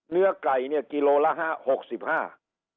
เนื้อไก่เนี่ยกิโลละ๖๕บาท